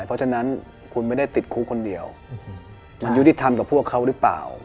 เพราะฉะนั้นคุณไม่ได้ติดคุกคนเดียวมันยุติธรรมกับพวกเขาหรือเปล่า